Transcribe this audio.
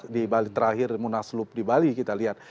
di bali terakhir munaslup di bali kita lihat